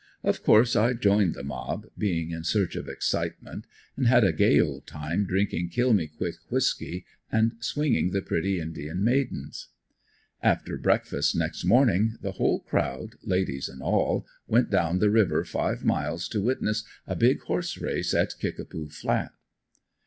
Of course I joined the mob, being in search of excitement and had a gay old time drinking kill me quick whisky and swinging the pretty indian maidens. After breakfast next morning the whole crowd, ladies and all, went down the river five miles to witness a "big" horse race at "Kickapoo" flat.